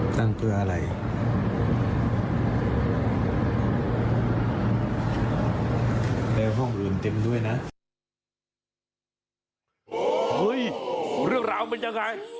นั่งเกลืออะไร